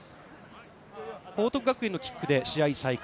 報徳学園のキックで試合再開。